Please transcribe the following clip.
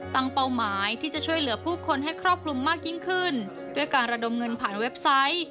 เป้าหมายที่จะช่วยเหลือผู้คนให้ครอบคลุมมากยิ่งขึ้นด้วยการระดมเงินผ่านเว็บไซต์